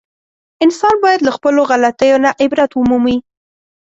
انسان باید له خپلو غلطیو نه عبرت و مومي.